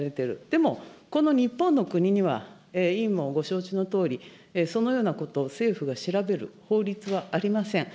でも、この日本の国には、委員もご承知のとおり、そのようなことを政府が調べる法律はありません。